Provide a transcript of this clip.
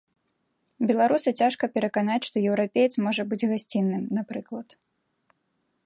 Беларуса цяжка пераканаць, што еўрапеец можа быць гасцінным, напрыклад.